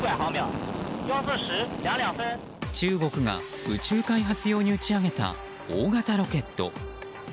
中国が宇宙開発用に打ち上げた大型ロケット。